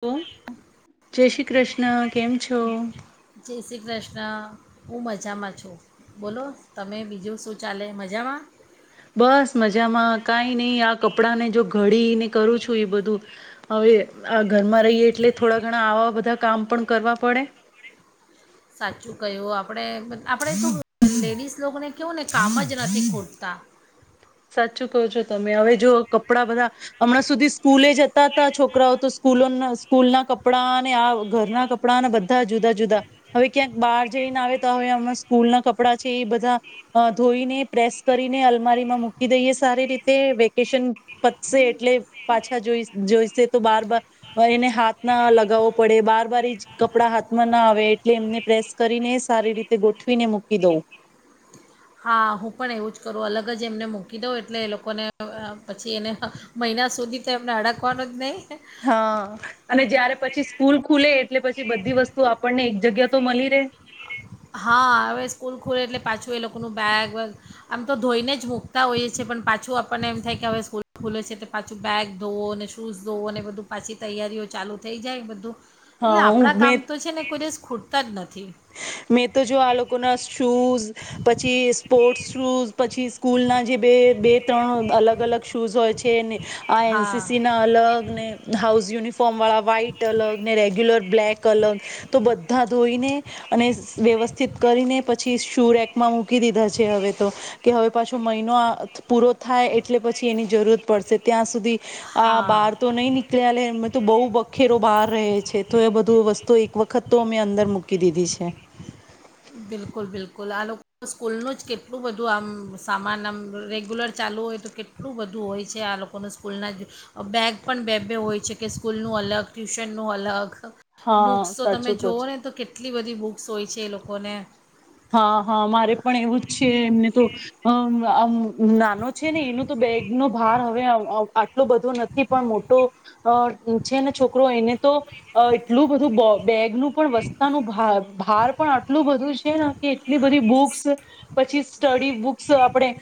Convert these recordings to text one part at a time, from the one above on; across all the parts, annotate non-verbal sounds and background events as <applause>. હ જય શ્રી કૃષ્ણ કેમ છો? જય શ્રી હું મજામાં છું, બોલો તમે બીજું શું ચાલે મજામાં? બસ મજામાં કાંઈ નહી આ કપડાંને જો ઘડીને કરું છું એ બધું, હવે આ ઘરમાં રહીએ એટલે થોડા ઘણા આવા બધા કામ પણ કરવા પડે. સાચું કયું આપડે આપણે શું લેડીસ લોકોને કેવું ને કામ જ નથી ખુટતા. સાચું કહો છો તમે હવે જો કપડા બધા, હમણાં સુધી સ્કૂલે જતા હતા છોકરાઓ તો સ્કૂલોના સ્કૂલ ના કપડા અને આ ઘરના કપડા અને બધા જુદા જુદા, હવે ક્યાંક બહાર જઈને આવે તો હવે હમણાં સ્કૂલ ના કપડાં છે એ બધા, ધોઈને પ્રેસ કરીને અલમારીમાં મુકી મૂકી દઈએ સારી રીતે વેકેશન પતશે એટલે પાછા જો જોઈશે તો બાર બાર, એને હાથ ના લગાવવો પડે બાર બાર એ કપડા હાથમાં ના આવે એટલે એમને પ્રેસ કરીને સારી રીતે ગોઠવીને મૂકી દઉં. હા હું પણ એવું જ કરું અલગ જ એમને મૂકી દઉં એટલે એ લોકોને પછી એને, મહિના સુધી તો એમને અડાકવાનો જ નહીં. હા અને જયારે પછી સ્કૂલ ખુલે એટલે પછી બધી વસ્તુ આપણને જગ્યા તો મળી રે. હા હવે સ્કૂલ ખુલે એટલે પાછું એ લોકોનું બેગ વગ, આમ તો ધોઈને જ મૂકતા હોઈએ છ છે પણ પાછું આપણને એમ થાય કે હવે સ્કૂલ ખુલે છે એટલે પાછું બેગ ધોવો અને શૂઝ ધોવો અને બધું પાછી તૈયારીઓ ચાલુ થઈ જાય બધું. એટલે હા હું આપણા કામ મેં તો છે ને કરી ખોટ ત જ નથી. મેં તો જો આ લોકો ના શૂઝ, પછી સ્પોર્ટસ શૂઝ પછી સ્કૂલ ના જે બે બે ત્રણ અલગ અલગ શૂઝ હોય છેને આ એન હા સી સી ના અલગ ને હાઉસ યુનિફોર્મ વાળા વ્હાઈટ અલગ ને રેગ્યુલર બ્લેક અલગ, તો બધા ધોઈને અને વ્યવસ્થિત કરીને પછી શુંરકમાં મૂકી દધા છે હવે તો કે હવે પાછો મહિનો પૂરો થાય એટલે પછી એની જરૂરત પડશે ત્યાં સુધી આ હા બહાર તો નહી નીકળ્યા બહુ બખેરો બહાર રહે છે તો એ બધું વસ્તુ એક વખત તો અમે અંદર મૂકી કે દીદી છે બિલકુલ બિલકુલ આ લોકો સ્કૂલનું જ કેટલું બધું આમ સામાન આમ રેગ્યુલર ચાલુ હોય તો કેટલું બધું હોય છે આ લોકોનું સ્કૂલના જ બેગ પણ બે બે હોય છે કે સ્કૂલનું અલગ ટ્યુશનનું અલગ હા બુક્સ તો તમે સાચું કહો જોઓ છો. ને તો કેટલી બધી બુક્સ હોય છે એ લોકો કોને હા હા મારે પણ એવું જ છે એમને તો નાનો છે ને એનો તો બેગનો ભાર હવે આટલો બધો નથી પણ મોટો છે ને છોકરો એને તો એટલું બધું. બેગનું પણ વસ્તાનું ભાર પણ આટલું બધું જ. <inaudible> કે એટલી બધી બુક્સ પછી સ્ટડી બુક્સ આપણેે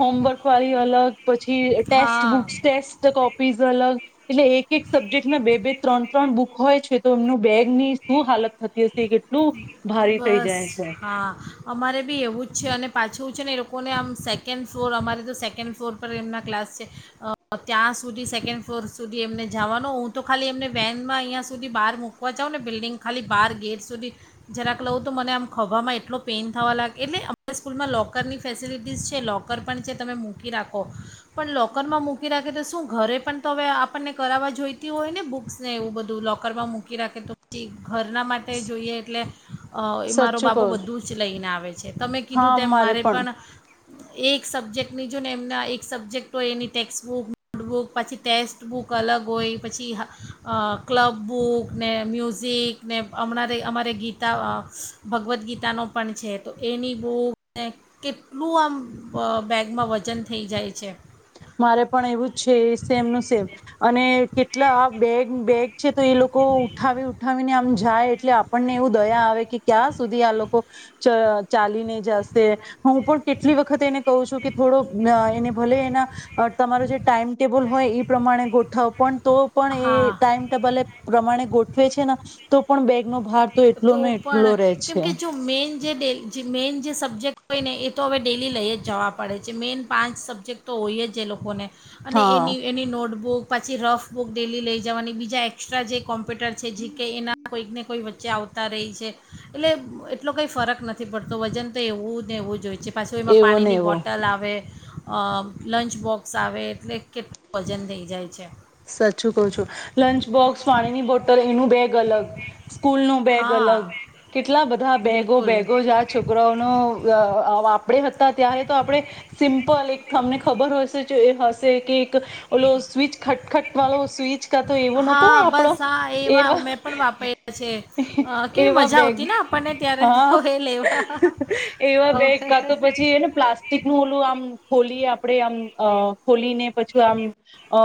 હોમવર્ક વાળી અલગ. પછી ટેસ્ટ હા બુક્ ટેસ્ટ કોપી. પીઝ અલગ. એટલે એક એક સબ્જેક્ટમાં બે બે ત્રણ ત્રણ બુક. હોય છે તો એમનું બેગ ની શું હાલત... થતી હશે, કેટલું ભારી થઈ બસ જાય છે. હા અમારે બી એવું જ છે અને પાછું છે ને એ લોકોને આમ સેકન્ડ ફ્લોર અમારે તો સેકન્ડ ફ્લોર પર એમના ક્લાસ છે, ત્યાં સુધી સેકન્ડ ફ્લોર સુધી એમને જવાનો હું તો ખાલી એમને વેનમાં અહીંયા સુધી બહાર મૂકવા જાઉં ને બિલ્ડિંગ ખાલી બહાર. ગેટ સુધી જરાક લઉં તો મને આમ ખવામાં એટલો પેઇન થવા લાગે, એટલે અમારા સ્કૂલમાં લોકરની ફેસિલિટીઝ છે, લોકર પણ છે, તમે મૂકી રાખો પણ લોકરમાં મૂકી રાખે તો શું ઘરે પણ તો હવે આપણને કરાવવા જોઈતી હોય ને બુક્સને એવું બધું લોકરમાં મૂકી રાખે તો પછી ઘરના. તે જોઈએ એટલે એ મારો સાચું કહો બાબો બધું જ લઈને આવે છે, તમે કીધું તેમ મારે પણ... એક સબ્જેક્ટની જો ને એમના એક સબ્જેક્ટ હોય, એની ટેક્સબુક નોટબુક પછી ટેસ્ટ બુક અલગ હોય, પછી અ ક્લબ બુક ને મ્યુઝિક ને... અમરે અમારે ગીતા ભગવદ્ ગીતાનો પણ છે, તો એની બુકને કેટલું આમ બેગમાં વજન થઈ જાય છે. મારે પણ એવું જ છે સેમનું સેમ અને કેટલા બેગ બેગ. છે તો એ લોકો ઉઠાવી ઉઠાવીને આમ... જાય એટલે આપણને એવું દયા આવે કે ક્યાં સુધી આ લોકો ચ ચાલીને જશે, હું પણ કેટલી વખત એને કહું છું કે થોડોક એને ભલે એના. તમારો જે ટાઈમ ટેબલ હોય એ પ્રમાણે ગોઠવ પણ... તો પણ એ હા ટાઈમ ટેબલ પ્રમાણે ગોત એ છેને તો પણ બેગ... નો ભાર તો એટલો ને એટલો રે પણ કેમ છે. કે જો મેન જે ડે જે મેન જે સબ્જેક્ટ હોય ને એ તો હવે ડેલી લઈ જવા પડે છે, મેઈન પાંચ સબ્જેક્ટ તો હોય જ એ લોકોને... અને હા એની એની નોટબુક... પાછી રફ બુક ડેલી લઈ જવાની, બીજા એક્સ્ટ્રા જે... કોમ્પ્યુટર છે જીકે એના... કોઈકને કોઈ વ ચ્ચે આવતા રેય છે, એટલે એટલો કંઈ ફરક નથી પડતો, વજન તો એવું જ ને એવું જોઈ. હજી પાછું એમાં એવો ને પાણીની એવો બોટલ આવે. અ લંચ બોક્સ આવે એટલે કેટલું વજન થઈ જાય છે. સાચું કહ છું લંચ બોક્સ પાણીની બોટલ એનું બેગ... અલગ સ્કૂલ નું બેગ અલગ, હા કેટલા બધા બેગો બિલકુલ બેગો જ આ છોકરાઓને અ વાપરે... ત્યારે તો આપણે સિમ્પલ એક તમને ખબર હશે જે એ હશે કે... ઓલો સ્વિચ... ખટખટ વાળો સ્વીચ કાતો એવો નતો હા આપડો, બસ હા એવા મેં પણ વાપર્યા છે અ, કેવી એવા મજા બેગ આવતી ને આપણને ત્યારે હા તો એ લેવા એવા બેગ હવે- કાતો પછી એને પ્લાસ્ટિક નું ઓલું આમ ખોલીએ... આપડે આમ અ ખોલીને... પછું આમ.. અ...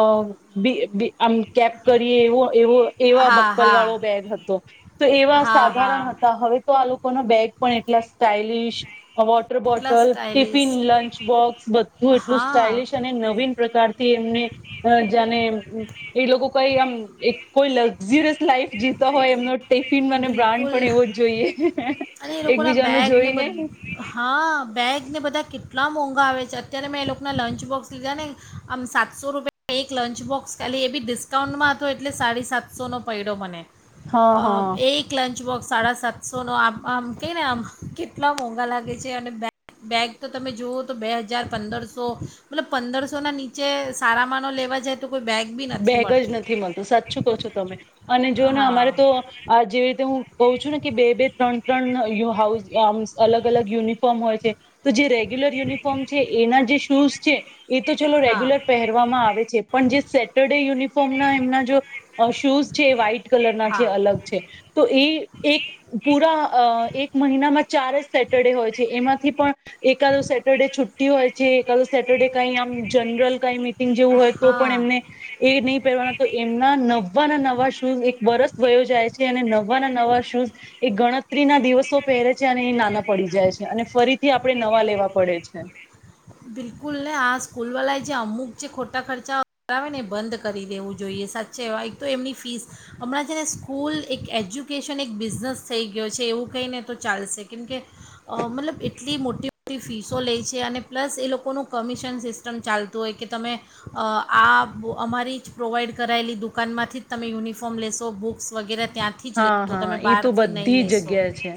બી બી... આમ કેપ કરીએ એવો એવો એવા હા બક્કલ હા વાળો બેગ હતો, તો એવા હા હા સાધારણ હતા હવે તો આ લોકોના બેગ પણ એટલા સ્ટાઇલિશ... વોટર એટલા bottle, stylish tiffin, lunch box બધું એટલું હા સ્ટાઈલશ અને નવીન પ્રકારથી એમને... અને એ લોકો કઈ આમ એક કોઈ લક્ઝરીયસ લાઈફ જીતો હોય એમનો ટીફ... બિલકુલ અને એ લોકો ના એકબીજાનું બેગને બ જોઈને હા બેગને બધા કેટલા એટલા મોંઘા આવે છે અત્યારે મેં એ લોકોના લંચ બોક્સ લીધા ને આમ સાતસો રૂપિયા એક લંચ બોક્સ ખાલી એ બી ડિસ્કાઉન્ટમાં હતો એટલે સાડી સાતસોનો પડ્યો મને હા અ હા એક લંચ બોક્સ સાડા સાતસોનો આ આમ કને આમ કેટલા મોંઘા લાગે છે અને બેગ તો તમે જુવઓ તો બે હજાર પંદરસો મતલબ પંદરસોના નીચે સારા માનો લેવા જાય તો કોઈ બેગ બી નથી બેગ જ મળતી નથી મળતું સાચચું કહો છો તમે અને જો ને હા અમારે તો આ જેવી હું ક છું ને કે બે ત્રણ ત્રણઉ અલગ અલગ યુનિફોર્મ હોય છે તો જે ર ર્યુલર યુનિફોર્મ છે એના જે સૂઝ છે એ તો ચલો હા રેગ્યુલર પહેરવામાં આવે છે પણ જે સેટ રડે યુનિફોર્મ ના એમના શૂઝ છે વ્હાઈટ કલર ના છે હા અલગ છે તો એ એક પૂરા એક મહિનામાં ચાર જ સેટરડે હોય છે એમાંથી પણ એકાદો સેટરડે છુટ્ટી હોય છે એકાદ સેટરડે કઈ આમ જનરલ કઈ મી જેવું હોય તો પણ હા એમને નહીં પહેરવાના તો એમના નવા ના નવા શૂઝ એક વર્ષ વયો જાય છે અને નવા ના નવા શૂઝ એ ગણત ત્રી ના દિવસો પહેરે છે અને એ નાના પડી જાય છે અને ફરીથી આપડણે નવા લેવા પડે છે બિલકુલ ને આ સ્કૂલવાળાએ જે અમુક જે ખોટા ખર્ચા કરાવે ને એ બંધ કરી દેવું જોઈએ સાચે એ એક તો એમની ફીસ હમણાં છે ને સ્કૂલ એક એજ્યુકેશન એક બિઝનેસ થઈ ગયો છે એવું કઈને તો ચાલશે કેમકે મતલબ એટલી મોટી મોટી ફીસો લે છે અને પ્લસ એ લોકોનું કમિશન સિસ્ટમ ચાલતું હોય કે તમે આ અમારી જ પ્રોવાઈડ કરાયેલી દુકાનમાંથી જ તમે યુનિફોર્મ લેશો બુક્સ વગેરે ત્યાંથી જ હા લેશો હા તમે એ તો બહારથી નહીં બધી લેશો જગ્યા છે.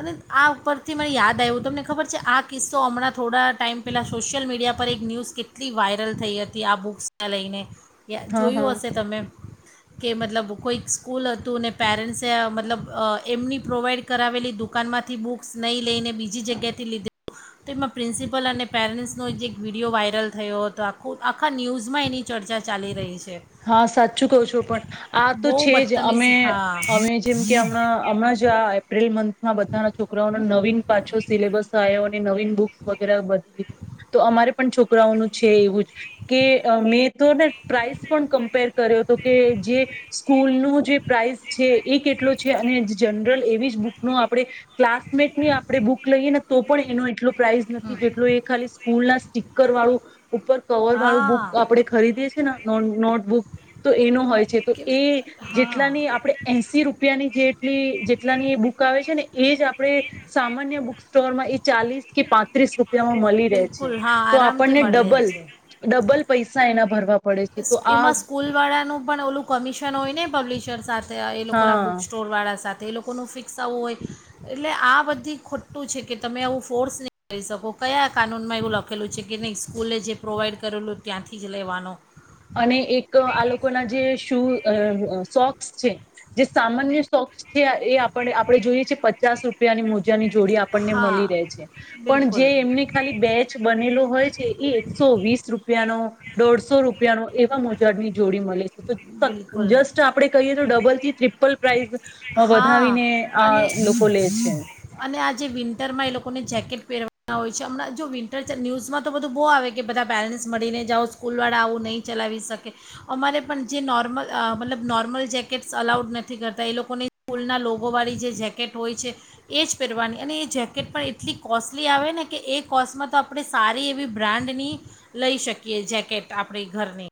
અને આ ઉપરથી મને યાદ આવ્યું તમને ખબર છે આ કિસ્સો હમણાં થોડા ટાઈમ પહેલાં સોશિયલ મીડિયા પર એક ન્યૂઝ કેટલી વાયરલ થઈ હતી આ બુક્સને લઈને. યા હા જોયું હા હશે તમે. કે મતલબ કોઈ સ્કૂલ તું ને પેરન્ટ્સસે મતલબ એમની પ્રોવાઈડ કરાવેલી દુકાનમાંથી બુક્સ નહી લઈને બીજી જગ્યાથી લીધે તોમાં પ્રિન્સિપલ અને પેરેન્ટ્સનો જ એક વિડીિયો વાયરલ થયો હતો આખો આખા ન્યૂઝમાં એની ચર્ચા ચાલી રહી છે. હા સાચું કહ છું પણ, આ તો બહુ છે જ અમે બદતમીઝ હા અમે જેમ કે હમણાં હમણાં જ આ એપ્રિલ મંથ માં બધા ના છોકરાઓો નવીન પાછો સિલેબસ આવે બી, તો અમારે પણ છોકરાઓનું છે, એવું જ કે મેં તો પ્રઇસ કમ્પેર કર્યો તો કે, જે સ્કૂલ ન જે પ્રાઇસ છે એ કેટલો છે અને જનરલ એવી જ બુક નો આપણે, ક્લાસમેટની આપણે બુક લઈએ ને તો પણ એનો એટલો પ્રાાઈઝ નથી હમ. જેટલો એ ખાલી સ્કૂલ ના સીકર વાળું ઉપર કવર વાળું હા બુક આપડે ખરીદી <inaudible> નો નોટબુક તો એનો હોય છે તો એ હા જેટલાની આપણે એશ રૂપિયાની જે જેટ જેટલાની એ બુક આવે છે ને એ જ આપણે સામાન્ય બુક સ્ટોર માં એ ચાલીસ કે પાંત્રીસ રૂ મળી રહે છે બિલકુલ હા તો આરામથી આપણને મળી રહે ડબલ છે ડબલ પૈસા એના ભરવા પડે છે તો આ એમાં સ્કૂલવાળાનું પણ ઓલું કમિશન હોય ને પબ્લિશરસ એ લોકો ના હા બુક સ્ટોર વાળા સાથે તે એ લોકોનું ફિક્સ આવવું હોય એટલે આ બધી ખોટું છે કે તમે આવું ફોર્સ નહીં કરી શકો કયા કાનૂનમાં એવું લખેલું છે કે નહીં સ્કૂલે જે પ્રોવાઈડ કરેલું ત્યાંથી જ લેવાનો અને એક આ લોકો ના જે શુંઅ અ શોક જે સામાન્ય સોકસ છે એ આપ આપણે જોઈએ છે પચાસ રૂપિયાની મોજ ની જોડી આપણને હા મળી રહે છે પણ જે બિલકુલ એમને ખાલી બેચ બનેલો હોય છે એ એકસો વીસ રૂપિયાનોદોઢસો રૂપ એવા મોજાડની જોડી મળે છે ટો ફક બિલકુલ જસ્ટ આપણે કહી તો ડબલ થી ટ્રિપલ પ્રાઈઝ અ હા વધાવીને આ અને લોકો લે છે અને આ જે વિન્ટરમાં એ લોકોને જેકેટ પહેરવાના હોય છે હમણાં જો વિન્ટર ન્યૂઝમાં તો બધું બહુ આવે કે બધા પેરેન્ટ્સ મળીને જાઓ સ્કૂલવાળા આવું નહીં ચલાવી શકે અમારે પણ જે નોર્મલ અ મતલબ નોર્મલ જેકેટ્સ અલાઉડ નથી કરતા એ લોકોની સ્કૂલના લોગોવાળી જે જેકેટ હોય છે એ જ પહેરવાની અને એ જેકેટ પણ એટલી કોસ્ટલી આવે ને કે એ કોસ્ટમાં તો આપણે સારી એવી બ્રાન્ડની લઈ શકીએ જેકેટ આપણી ઘરની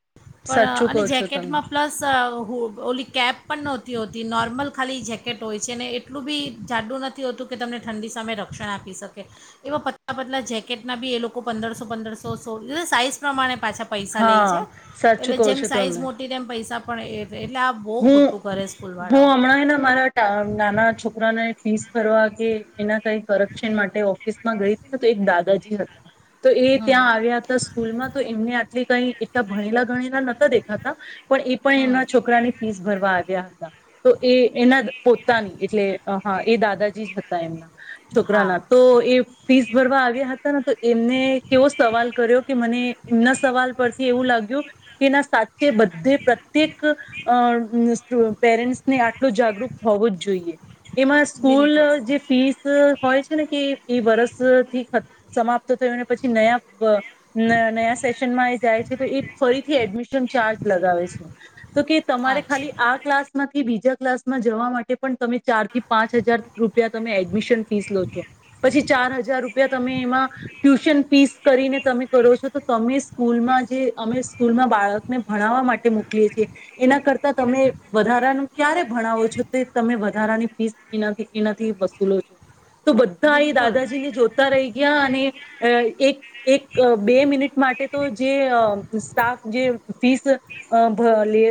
સાચુંકો છું કિકેટમાં પ્લસ ઘો ઓલી કેપ પણ નહોતી હોતી નોર્મલ ખાલી જેકેટ હોય છે ને એટલું બી જાડું નથી હોતું કે તમને ઠંડી સામે રક્ષણ આપી શકે એવા પતલા પતલાં જેકેટના બી એ લોકો પંદરસો પંદરસો સો એ સાઈઝ પ્રમાણે પાછા પૈસા લે હા છે સાચું એટલે કહો જેમ છો સાઈઝ તમે મોટી પૈસા પણ એ હું હું હમણાંને મારા નાના છોકરાને ફીસ ભરવા ગે એના કઈ કરકશન માટે ઓફિસમાં ગઈ હતી ને તો એક દાદાજી હતા તો એ હમ ત્યાં આવ્યા હતા સ્કૂલમાં તો એમને આટલી કઈ એ એટલા ભણીલા ગ ગળેલા દેખાતા પણ એ પણ હમ એમના છોકરાની <unintelligible> આવિયા હતા તો એ એના પોતાની એટલે હા એ દાદાજી જ હતા એમના હા છોકરાના તો એ ફીસ ભરવા આવ્યા હતા ને તો એમને કેવો સવાલ કર્યો કે મને એમના સવાલ પરથી એવું લાગ્યું કે એના સા કે બધે પ્રત્યેક <unintelligible> પેરેન્ટ્સ ને આટલો જાગૃત હોવું જ જોઈએ. એમાં સ્કૂલ બિલકુલ જે ફીસ હોય છે ને કે એ વરષ થી સમાપ્ત થયું પછી નયા નયા સેશનમાં એ જાય છે તો એ ફરીથી એડમિશન ચાર્જ લગાવે છે, તો કે તમારે ખાલી અચ્છા આ ક્લાસ માંથી બીજા ક્લાસ માં જવા માટે પણ તમે ચાર થી પાંચ હજાર રૂપિયા તમે એડમિશન ફીસ લો છો, પછી ચાર હજાર રૂપિયા તમે એમાં, ટ્યુશન ફીસ કરીને તમે કરો છો તો તમે સ્કૂલમાં જે અમે સ્કૂલમાં બાળક આપને ભણાવવા માટે મોકલીએ છીએ. એના કરતા તમે વધારાનું ક્યારે ભણાવો છો તે તમે વધારાની ફીસ એનાથી એનાથી વસૂલો છો. તો બધા એ બિલકુલ દાદાજીને જોતા રહી ગયા અને, એક એક બે મિનિટ માટે તો જે સ્ટાફ જે ફીસ.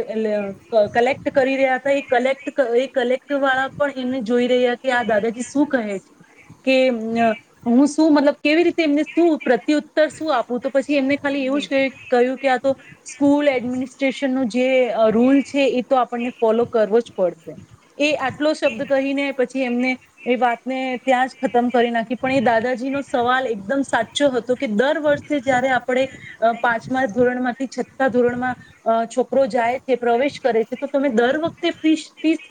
એ કલેક્ટ કરી રહ્યા હતા એ કલેક્ટ એ કલેક્ટ વાળા પણ એમને જોઈ રહ્યા કે આ દાદાજી શું કહે છે, કે હું શું મતલબ કેવી રીતે એમને શું પ્રત્યુત્તર શું આપું તો પછી એમને ખાલી એવું બિલકુલ કહ્યું કે આ તો, સ્કૂલ એડમિ સ્ટેશનનું જે રૂલ છે એ તો આપણને ફોલો કરવો જ પડશે, એ આટલો શબ્દ કહીને પછી એમને, એ વાતને ત્યાં જ ખતમ કરી નાખી પણ એ દાદાજીનો સવાલ એકદમ સાચો હતો કે દર વર્ષે જયારે આપણે, પાંચમા ધોરણમાંથી છ્ઠા ધોરણમાં, છોકરો જાય. પ્રવેશ કરે છે તો તમે દર વખતે ફીસ ફીસ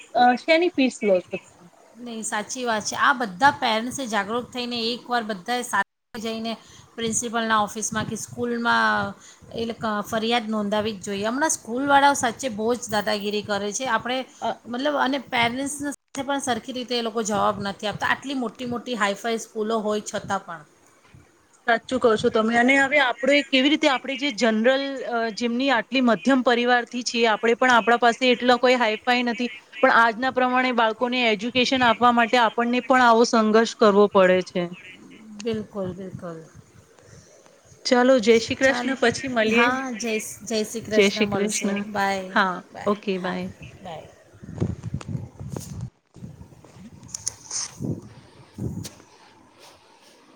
શેની ફીસ લો છો તમે. નહીં સાચી વાત છે, આ બધા પેરેન્ટ્સ જાગૃત થઈને એકવાર બધાએ સાથે જઈને પ્રિન્સિપલના ઓફિસમાં કે સ્કૂલમાં એલે ક ફરિયાદ નોંધાવી જોઈએ આમળા સ્કૂલ વાળાઓ સાચે બહુ જ દાદાગીરી કરે છે આપણે અ મતલબ અને પેરેન્ટ ના સાથે પણ આખી રીતે એ લોકો જવાબ નથી આપતા, આટલી મોટી મોટી હાઈફાઈ સ્કૂલો હોય છતાં પણ સાચું કશો તમે અને હવે આપણે કેવી રીતે આપણે જે જનરલ જેમની આટલી મધ્યમ પરિવારથી છીએ આપણે પણ આપણા પાસે એટલા કોઈ હાઈફાઈ નથી પણ આજના પ્રમાણે બાળકોને એજ્યુકેશન આપવા માટે આપણને પણ આવો સંઘર્ષ કરવો પડે છે. ધ્ય બિલકુલ બિલકુલ ચાલો જય શ્રી ચાલો, કૃષ્ણ પછી મળીએ હા, જય જય શ્રી કૃષ્ણ, મ મલશુ, બાય હા બાય ઓકે હા બાય બાય <inaudible>